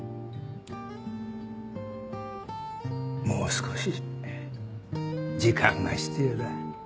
もう少し時間が必要だ。